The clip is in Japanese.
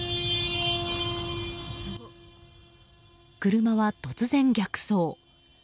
車は突然、逆走。